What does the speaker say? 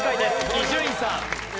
伊集院さん。